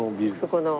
そこの。